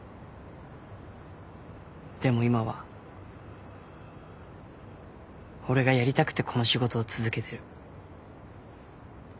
でも今は俺がやりたくてこの仕事を続けてる。